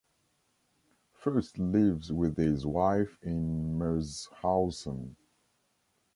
Fürst lives with his wife in Merzhausen.